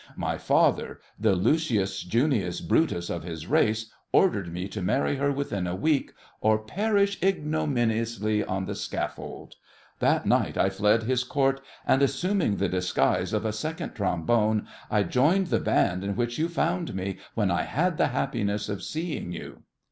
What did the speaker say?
My father, the Lucius Junius Brutus of his race, ordered me to marry her within a week, or perish ignominiously on the scaffold. That night I fled his Court, and, assuming the disguise of a Second Trombone, I joined the band in which you found me when I had the happiness of seeing you!